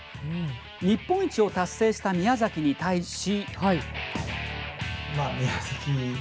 日本一を達成した宮崎に対し。